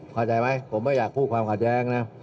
เข้าใจไหมผมไม่อยากพูดความขัดแย้งนะ